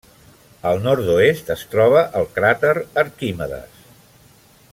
Al nord-oest es troba el cràter Arquimedes.